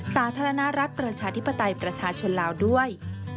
สาธารณรัฐประชาธิปไตยประชาชนลาวด้วย